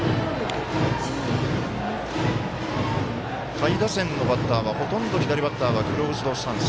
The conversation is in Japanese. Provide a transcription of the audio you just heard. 下位打線のバッターはほとんど左バッターはクローズドスタンス。